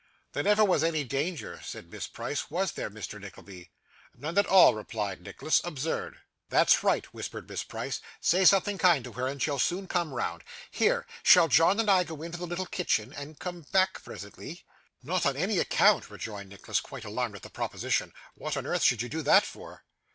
'There never was any danger,' said Miss Price, 'was there, Mr. Nickleby?' 'None at all,' replied Nicholas. 'Absurd.' 'That's right,' whispered Miss Price, 'say something kind to her, and she'll soon come round. Here! Shall John and I go into the little kitchen, and come back presently?' 'Not on any account,' rejoined Nicholas, quite alarmed at the proposition. 'What on earth should you do that for?